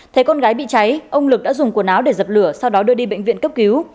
thấy con gái bị cháy ông lực đã dùng quần áo để dập lửa sau đó đưa đi bệnh viện cấp cứu